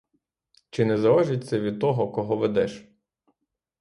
Чи не залежить це від того, кого ведеш?